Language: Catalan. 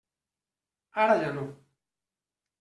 Ara ja no.